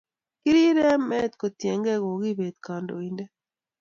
Kirire en met kotienge kokipet kandoindet .